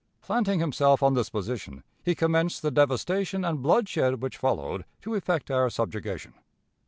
Planting himself on this position, he commenced the devastation and bloodshed which followed to effect our subjugation.